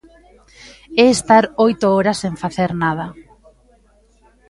É estar oito horas sen facer nada.